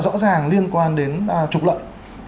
rõ ràng liên quan đến trục lợi